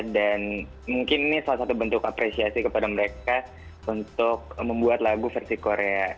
dan mungkin ini salah satu bentuk apresiasi kepada mereka untuk membuat lagu versi korea